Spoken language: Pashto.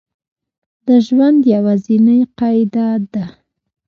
د ژوند یوازینۍ قاعده ده